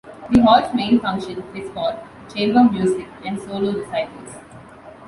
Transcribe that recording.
The Hall's main function is for chamber music and solo recitals.